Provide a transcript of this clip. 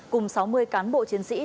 cùng sáu mươi cán bộ chiến sĩ